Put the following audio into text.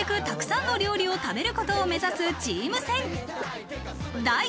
たくさんの料理を食べることを目指すチーム戦。